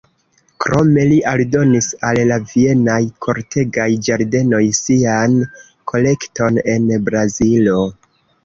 Krome li aldonis al la Vienaj kortegaj ĝardenoj sian kolekton en Brazilo.